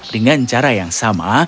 dengan cara yang sama